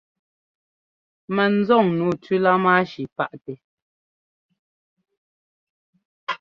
Mɛnzɔn nǔu tú lámáshi páʼtɛ́.